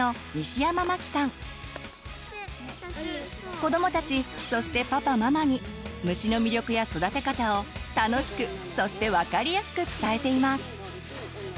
子どもたちそしてパパママに虫の魅力や育て方を楽しくそして分かりやすく伝えています。